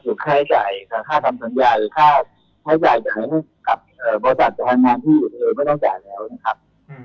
คือค่าใช้จ่ายค่าทำสัญญาค่าใช้จ่ายต่างกับบริษัทสถานการณ์ที่อิสราเอลไม่ต้องจ่ายแล้วนะครับ